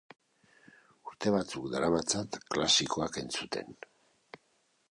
Urte batzuk daramatzat klasikoak entzuten.